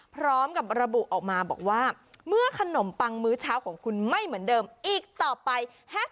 พร้อมกับระบุออกมาบอกว่าเมื่อขนมปังมื้อเช้าของคุณไม่เหมือนเดิมอีกต่อไป